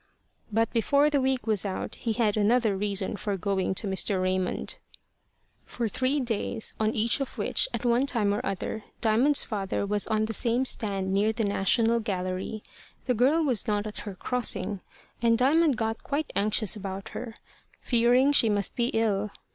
But before the week was out, he had another reason for going to Mr. Raymond. For three days, on each of which, at one time or other, Diamond's father was on the same stand near the National Gallery, the girl was not at her crossing, and Diamond got quite anxious about her, fearing she must be ill.